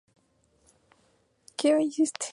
Durante un tiempo, fue boxeador.